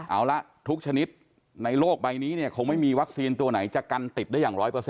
เอาละทุกชนิดในโลกใบนี้เนี่ยคงไม่มีวัคซีนตัวไหนจะกันติดได้อย่าง๑๐๐